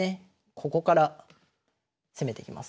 ここから攻めてきます。